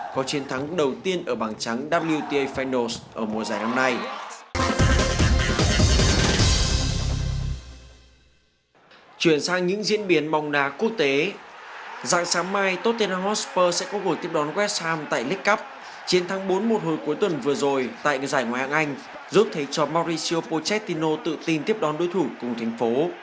chiến thắng bốn một hồi cuối tuần vừa rồi tại giải ngoại hạng anh giúp thấy cho mauricio pochettino tự tin tiếp đón đối thủ cùng thành phố